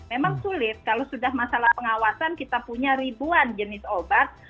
memang sulit kalau sudah masalah pengawasan kita punya ribuan jenis obat